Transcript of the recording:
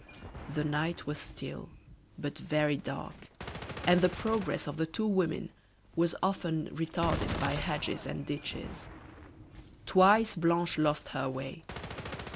The night was still, but very dark, and the progress of the two women was often retarded by hedges and ditches. Twice Blanche lost her way.